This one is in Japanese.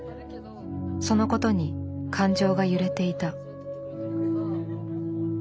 そのことに感情が揺れていた。